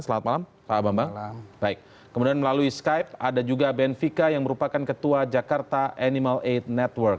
selamat malam pak bambang kemudian melalui skype ada juga benvika yang merupakan ketua jakarta animal aid network